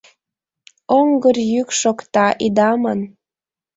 «Оҥгыр йӱк шокта!» ида ман —